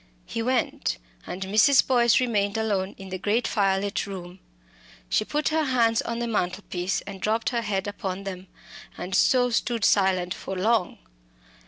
He went, and Mrs. Boyce remained alone in the great fire lit room. She put her hands on the mantelpiece, and dropped her head upon them, and so stood silent for long.